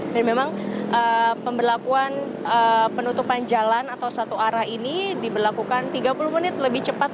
dan memang pemberlakuan penutupan jalan atau satu arah ini dibelakukan tiga puluh menit lebih cepat